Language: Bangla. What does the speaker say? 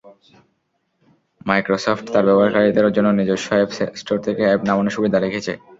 মাইক্রোসফট তার ব্যবহারকারীদের জন্য নিজস্ব অ্যাপ স্টোর থেকে অ্যাপ নামানোর সুবিধা রেখেছে।